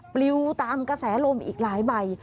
ปลิวตามกระแสลมอีกหลายใบ